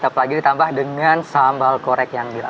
apalagi ditambah dengan sambal korek yang dirasa